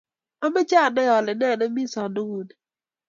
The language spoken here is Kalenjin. amoche anai ale nee ni me sondokuu ni.